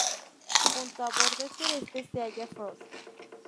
Junto al borde sureste se halla Frost.